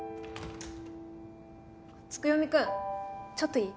月読くんちょっといい？